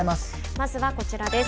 まずはこちらです。